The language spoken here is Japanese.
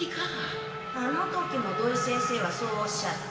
あの時も土井先生はそうおっしゃって。